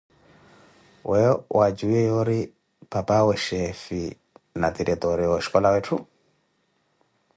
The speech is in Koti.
Weeyo wa tjuwiye yoori papawe chefe na tiretore wa oxhicola weethu?